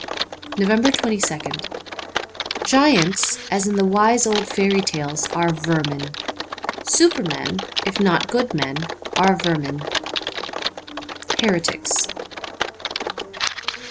361 NOVEMBER 22nd GIANTS, as in the wise old fairy tales, are vermin. Supermen, if not good men, are vermin. 'Heretics.'